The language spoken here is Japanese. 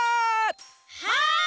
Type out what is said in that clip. はい！